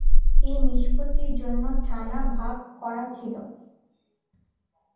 এই নিষ্পত্তির জন্য "থানা" ভাগ করা ছিল।